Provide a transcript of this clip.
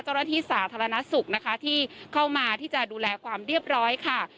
เจ้าหน้าที่สาธารณสุขนะคะที่เข้ามาที่จะดูแลความเรียบร้อยค่ะ